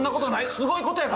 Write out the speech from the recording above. すごいことやから。